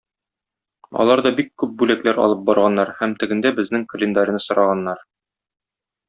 Алар да бик күп бүләкләр алып барганнар һәм тегендә безнең календарьны сораганнар.